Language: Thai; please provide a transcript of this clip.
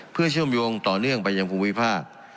เพื่อเชื่อมโยงต่อเนื่องไปยังภูมิภาค